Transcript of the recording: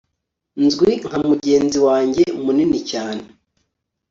Nzwi nka mugenzi wanjye munini cyane